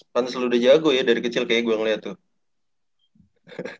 pan selalu udah jago ya dari kecil kayaknya gue ngeliat tuh